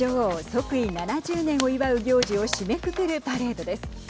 即位７０年を祝う行事を締めくくるパレードです。